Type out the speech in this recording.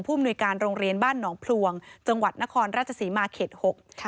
มนุยการโรงเรียนบ้านหนองพลวงจังหวัดนครราชศรีมาเขต๖